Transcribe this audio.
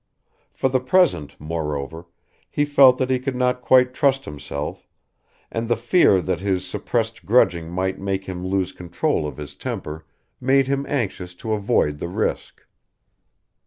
For the present, moreover, he felt that he could not quite trust himself, and the fear that his suppressed grudging might make him lose control of his temper made him anxious to avoid the risk.